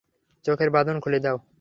চোখের বাঁধন খুলে দাও।